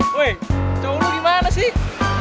woy jauh lu gimana sih